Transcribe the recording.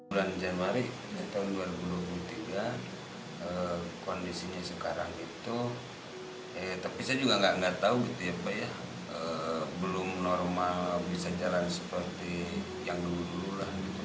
bulan januari dua ribu dua puluh tiga kondisinya sekarang itu tapi saya juga tidak tahu belum normal bisa jalan seperti yang dulu